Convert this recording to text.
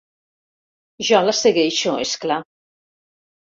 Jo la segueixo, és clar.